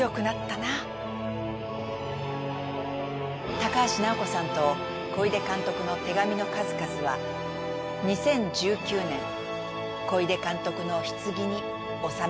高橋尚子さんと小出監督の手紙の数々は２０１９年小出監督の棺に納められたそうです。